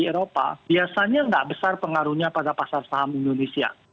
di eropa biasanya tidak besar pengaruhnya pada pasar saham indonesia